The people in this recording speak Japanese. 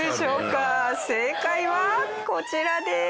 正解はこちらです。